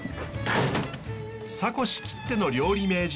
坂越きっての料理名人